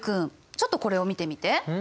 ちょっとこれを見てみて。